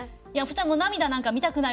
涙なんか見たくない。